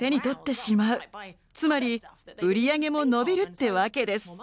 つまり売り上げも伸びるってわけです。